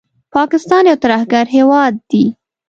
پاکستان یو ترهګر هیواد دي